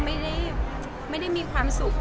ไม่ได้ไม่ได้มีความสุข